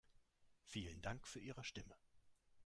Vielen Dank für Ihre Stimme.